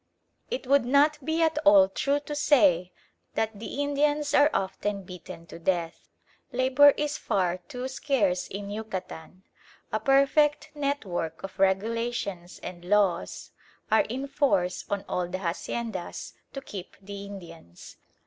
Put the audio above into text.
It would not be at all true to say that the Indians are often beaten to death. Labour is far too scarce in Yucatan. A perfect network of regulations and laws are in force on all the haciendas to keep the Indians.